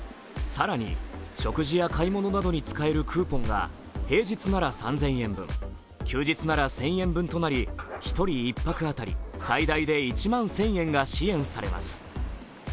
更に食事や買い物などに使えるクーポンが平日なら３０００円分、休日なら１０００円分となり１人１泊当たり最大で１万１０００円が支援されます。